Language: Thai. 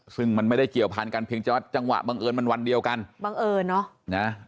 ซึ่งมันไม่ได้เกี่ยวพันกันเพียงแต่ว่าจังหวะบังเอิญมันวันเดียวกันบังเอิญเนอะนะ